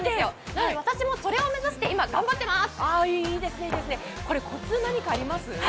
なので私もそれを目指して今頑張っています。